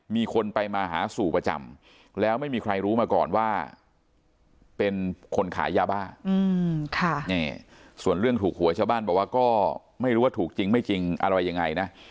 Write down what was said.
มีคนไปมาหาสู่ประจำแล้วไม่มีใครรู้มาก่อนว่าเป็นคนขายยาบ้าส่วนเรื่องถูกหวยชาวบ้านบอกว่าก็ไม่รู้ว่าถูกจริงไม่จริงอะไรยังไงนะ